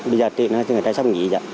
bây giờ tự nhiên người ta sắp nghỉ